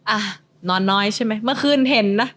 เอ่อนอนน้อยใช่ไหมมะคืนเห็นนะ